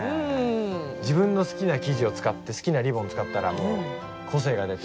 自分の好きな生地を使って好きなリボン使ったら個性が出て。